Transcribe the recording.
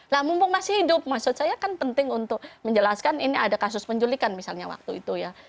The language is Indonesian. nah mumpung masih hidup maksud saya kan penting untuk menjelaskan ini ada kasus penculikan misalnya waktu itu ya